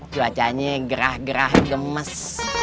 cuacanya gerah gerah gemes